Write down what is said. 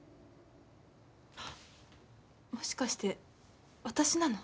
もしかして私なの？